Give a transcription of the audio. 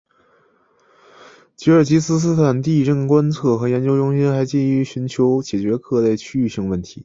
吉尔吉斯斯坦地震观测和研究中心还积极寻求解决各类区域性问题。